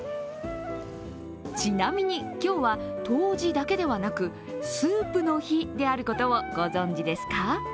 ちなみに今日は冬至だけではなくスープの日であることを御存知ですか。